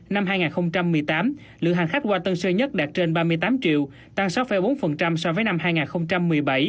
năm hai nghìn một mươi tám lượng hành khách qua tân sơn nhất đạt trên ba mươi tám triệu tăng sáu bốn so với năm hai nghìn một mươi bảy